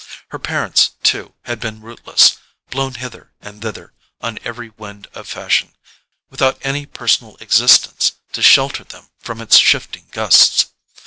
Her parents too had been rootless, blown hither and thither on every wind of fashion, without any personal existence to shelter them from its shifting gusts.